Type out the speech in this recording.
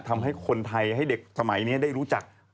ทำให้คนไทยให้เด็กสมัยนี้ได้รู้จัก